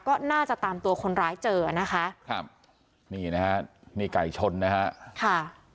ก็น่าจะตามตัวคนร้ายเจอนะคะครับนี่นะฮะนี่ไก่ชนนะฮะค่ะ